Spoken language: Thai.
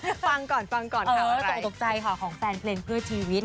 ตกก็ตกใจของแฟนเพลงเพื่อชีวิต